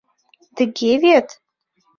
— Тыге вет?